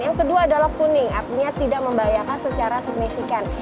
yang kedua adalah kuning artinya tidak membahayakan secara signifikan